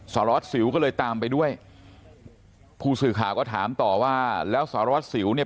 สารวัสสิวก็เลยตามไปด้วยผู้สื่อข่าวก็ถามต่อว่าแล้วสารวัสสิวเนี่ย